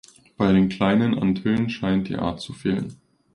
Bei den Kleinen Antillen scheint die Art zu fehlen.